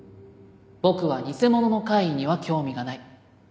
僕は偽物の怪異には興味がない。